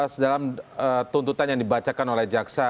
sedalam tuntutan yang dibacakan oleh jaksa